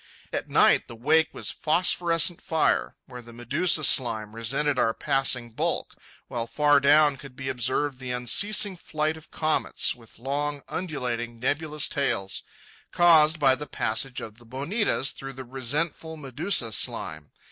At night the wake was phosphorescent fire, where the medusa slime resented our passing bulk, while far down could be observed the unceasing flight of comets, with long, undulating, nebulous tails—caused by the passage of the bonitas through the resentful medusa slime.